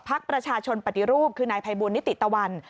ภักดิ์ประชาชนปฏิรูปคือนายพายบุหนิติตาวัน